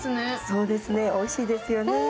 そうですね、おいしいですよね。